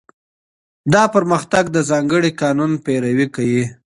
دا پرمختګ د ځانګړي قانون پیروي کوي.